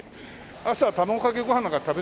朝卵かけご飯なんか食べないでしょ？